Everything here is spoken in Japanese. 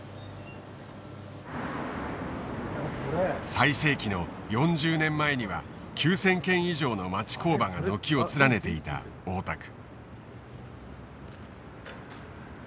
最盛期の４０年前には９，０００軒以上の町工場が軒を連ねていた大田区。